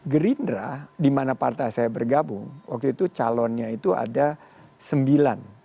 gerindra di mana partai saya bergabung waktu itu calonnya itu ada sembilan